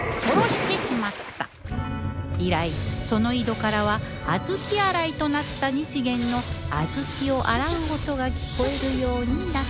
以来その井戸からは小豆洗いとなった日顕の小豆を洗う音が聞こえるようになったのじゃった